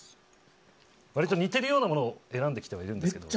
割と似ているようなものを選んではきているんですけど。